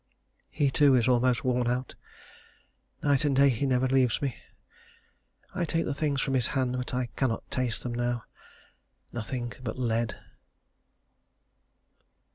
He too, is almost worn out; night and day he never leaves me... I take the things from his hand, but I cannot taste them now nothing but lead....